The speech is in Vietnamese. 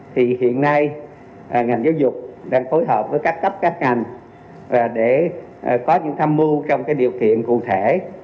thì hiện nay ngành giáo dục đang phối hợp với các cấp các ngành để có những tham mưu trong điều kiện cụ thể